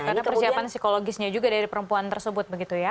karena persiapan psikologisnya juga dari perempuan tersebut begitu ya